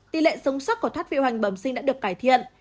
tỷ lệ sống sắc của thoát vị hoành bẩm sinh đã được cải thiện